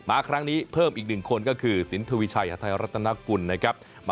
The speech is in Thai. ครั้งนี้เพิ่มอีก๑คนก็คือสินทวีชัยหาทัยรัฐนากุลนะครับ